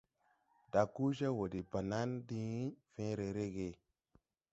Daguje wɔ de banan diŋ fẽẽre rege.